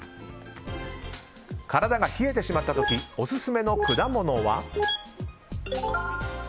体が冷えてしまった時オススメの果物は。